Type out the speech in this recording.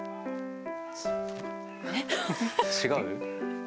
違う？